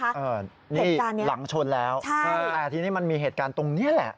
เหตุการณ์นี้ใช่ที่นี่มันมีเหตุการณ์ตรงนี้แหละ